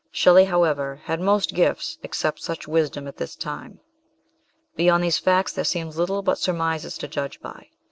Shelley, however, had most gifts, except such wisdom at this time. Beyond these facts, there seems little but surmises to judge by.